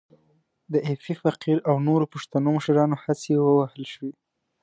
د ایپي فقیر او نورو پښتنو مشرانو هڅې ووهل شوې.